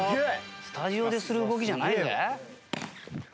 スタジオでする動きじゃないぜ。